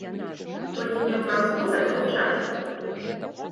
Толькі не ў прасторы, а ў часе.